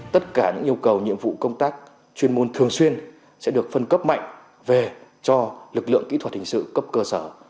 tất cả những yêu cầu nhiệm vụ công tác chuyên môn thường xuyên sẽ được phân cấp mạnh về cho lực lượng kỹ thuật hình sự cấp cơ sở